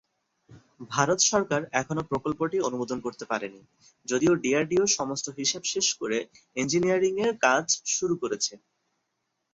ভারত সরকার এখনও প্রকল্পটি অনুমোদন করতে পারেনি, যদিও ডিআরডিও সমস্ত হিসাব শেষ করে ইঞ্জিনিয়ারিংয়ের কাজ শুরু করেছে।